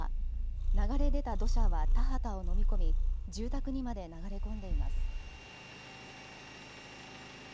流れ出た土砂は田畑を飲み込み住宅にまで流れ込んでいます。